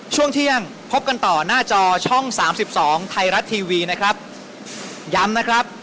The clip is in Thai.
ช่วงเที่ยงพบกันต่อหน้าจอช่องสามสิบสองไทยรัฐทีวีนะครับย้ำนะครับ